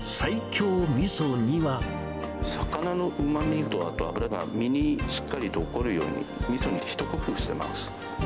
魚のうまみと、あと脂が、身にしっかりと残るように、みそに一工夫しています。